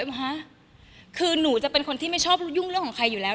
ไหมคะคือหนูจะเป็นคนที่ไม่ชอบยุ่งเรื่องของใครอยู่แล้ว